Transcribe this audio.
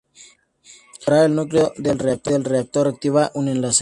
Disparar al núcleo del reactor activa un enlace.